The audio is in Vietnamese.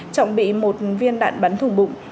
trọng bị một viên đạn bắn thùng bụng